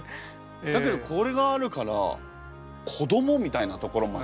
だけどこれがあるから子どもみたいなところまで。